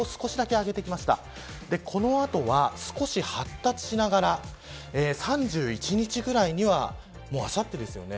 この後は少し発達しながら３１日ぐらいにはもうあさってですね